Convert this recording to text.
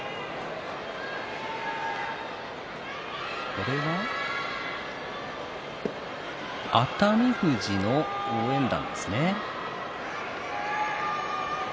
これは熱海富士の応援団ですね。